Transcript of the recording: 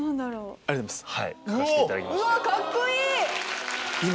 ありがとうございます！